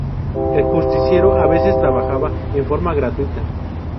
El Justiciero a veces trabajaba en forma gratuita.